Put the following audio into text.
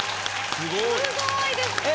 すごいですね！